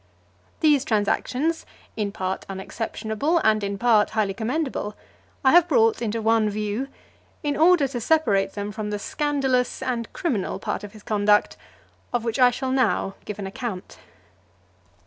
These transactions, in part unexceptionable, and in part highly commendable, I have brought into one view, in order to separate them from the scandalous and criminal part of his conduct, of which I shall now give an account.